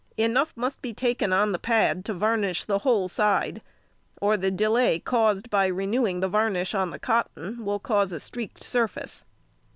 Enough must be taken on the pad to varnish the whole side, or the delay caused by renewing the varnish on the cotton will cause a streaked surface.